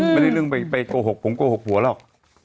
ไม่ได้เรื่องไปโกหกผมโกหกหัวหรอก